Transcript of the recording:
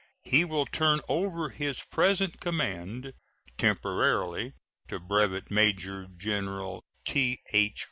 He will turn over his present command temporarily to Brevet Major General T.H.